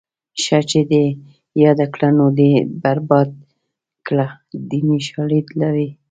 ښه چې دې یاد کړه نو دې برباد کړه دیني شالید لري